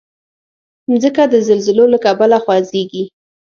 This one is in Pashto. مځکه د زلزلو له کبله خوځېږي.